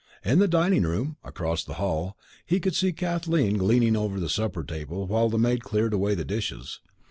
In the dining room, across the hall, he could see Kathleen gleaning over the supper table while the maid cleared away the dishes.